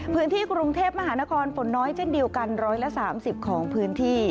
พื้นที่กรุงเทพมหานครฝนน้อยเช่นเดียวกัน๑๓๐ของพื้นที่